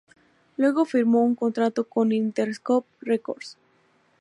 Luego firmó un contrato con Interscope Records.